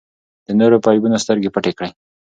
د نورو په عیبونو سترګې پټې کړئ.